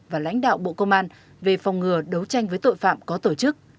và lãnh đạo bộ công an về phòng ngừa đấu tranh với tội phạm có tổ chức